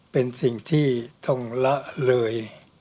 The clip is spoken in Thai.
เป็นสิ่งที่ต้องละเลย